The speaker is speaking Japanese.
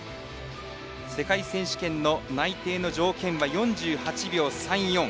世界選手権の内定の条件は４８秒３４。